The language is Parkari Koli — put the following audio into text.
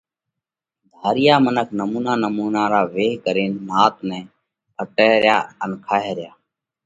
ڌاريا منک نمُونا نمُونا را ويه ڪرينَ نات نئہ ڦٽئه ريا ان کائه ريا۔